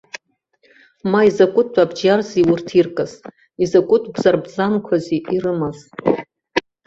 Ма изакәытә абџьарзи урҭ иркыз, изакәытә бзарбзанқәази ирымаз!